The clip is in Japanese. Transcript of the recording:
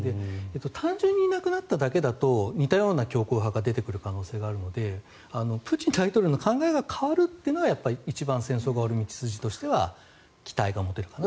単純にいなくなっただけだと似たような強硬派が出てくる可能性があるのでプーチン大統領の考えが変わるのが一番、戦争が終わる道筋としては期待が持てるかなと。